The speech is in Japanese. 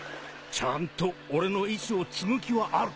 ちゃんと俺の意志を継ぐ気はあるか？